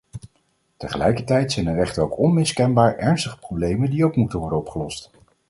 Tegelijkertijd zijn er echter ook onmiskenbaar ernstige problemen die ook moeten worden opgelost.